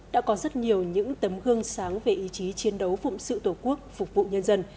đã có rất nhiều những tấm gương sáng về ý chí chiến đấu phụng sự tổ quốc phục vụ nhân dân